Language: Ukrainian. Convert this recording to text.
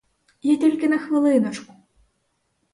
Я тільки на хвилиночку!